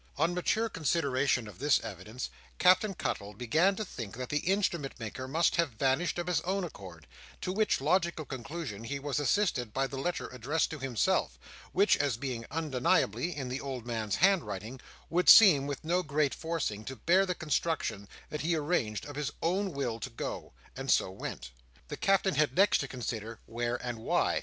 On mature consideration of this evidence, Captain Cuttle began to think that the Instrument maker must have vanished of his own accord; to which logical conclusion he was assisted by the letter addressed to himself, which, as being undeniably in the old man's handwriting, would seem, with no great forcing, to bear the construction, that he arranged of his own will to go, and so went. The Captain had next to consider where and why?